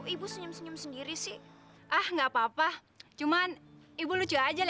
ibu senyum senyum sendiri sih ah nggak apa apa cuman ibu lucu aja